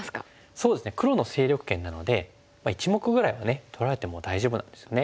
そうですね黒の勢力圏なので１目ぐらいは取られても大丈夫なんですね。